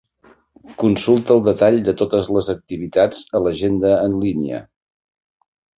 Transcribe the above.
Consulta el detall de totes les activitats a l'agenda en línia.